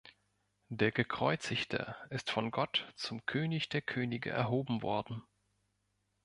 Der Gekreuzigte ist von Gott zum König der Könige erhoben worden.